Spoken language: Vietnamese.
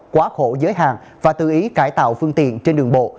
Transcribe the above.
quá khổ giới hạn và tự ý cải tạo phương tiện trên đường bộ